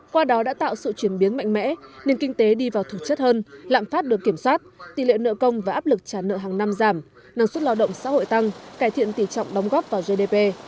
qua đó đã tạo sự chuyển biến mạnh mẽ nền kinh tế đi vào thực chất hơn lạm phát được kiểm soát tỷ lệ nợ công và áp lực trả nợ hàng năm giảm năng suất lao động xã hội tăng cải thiện tỷ trọng đóng góp vào gdp